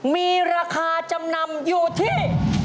มีราคาจำนำอยู่ที่